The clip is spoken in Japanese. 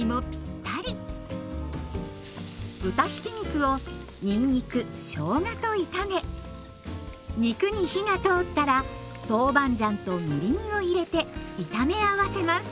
豚ひき肉をにんにくしょうがと炒め肉に火が通ったら豆板醤とみりんを入れて炒め合わせます。